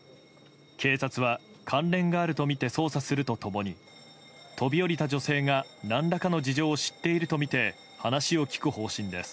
警察は関連があるとみて捜査すると共に飛び降りた女性が何らかの事情を知っているとみて話を聞く方針です。